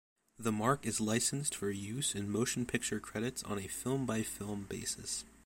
The Mark is licensed for use in motion picture credits on a film-by-film basis.